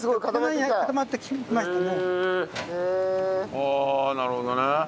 はあなるほどね。